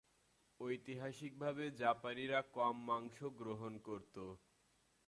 ঐতিহাসিকভাবে জাপানীরা কম মাংস গ্রহণ করতো।